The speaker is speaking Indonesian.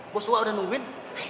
bos wak udah nungguin